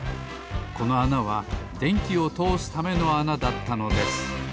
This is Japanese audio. このあなはでんきをとおすためのあなだったのです。